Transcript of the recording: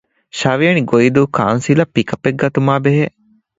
ށ. ގޮއިދޫ ކައުންސިލަށް ޕިކަޕެއް ގަތުމާ ބެހޭ